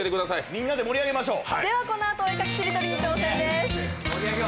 みんなで盛り上げましょう。